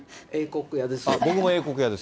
英国屋です。